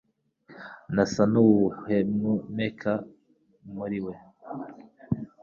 Nasa n'uwuhumeka muri we